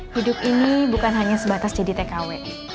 hidup ini bukan hanya sebatas jadi tkw